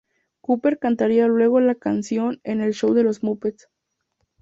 Cooper cantaría luego la canción en el "Show de los Muppets".